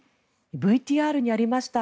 ＶＴＲにありました